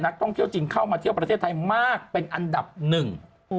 ท่องเที่ยวจีนเข้ามาเที่ยวประเทศไทยมากเป็นอันดับหนึ่ง